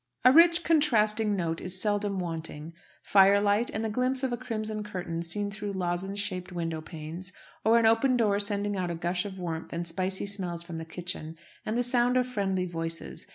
A rich contrasting note is seldom wanting: firelight and the glimpse of a crimson curtain seen through lozenge shaped window panes; or an open door sending out a gush of warmth and spicy smells from the kitchen, and the sound of friendly voices.